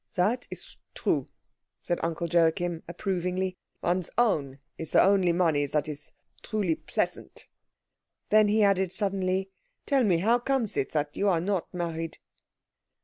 "That is true," said Uncle Joachim approvingly. "One's own is the only money that is truly pleasant." Then he added suddenly, "Tell me, how comes it that you are not married?"